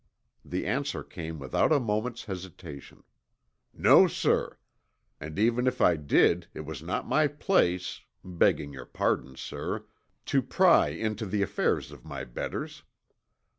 The answer came without a moment's hesitation, "No, sir, and even if I did it was not my place, begging your pardon, sir, to pry into the affairs of my betters."